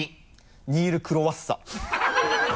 ニールクロワッサ。